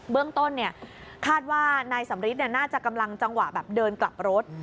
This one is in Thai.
เบื้องต้นคาดว่านายสำริทน่าจะกำลังจังหวะแบบเดินกลับรถ